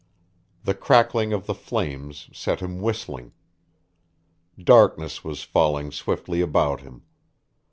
The crackling of the flames set him whistling. Darkness was falling swiftly about him.